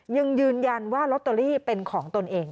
ยังยืนยันว่าลอตเตอรี่เป็นของตนเอง